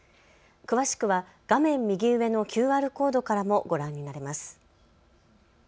詳しくは画面右上のＱＲコードからもご覧になれます。